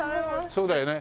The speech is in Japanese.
そうだよね。